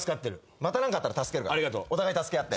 また何かあったら助けるからお互い助け合って。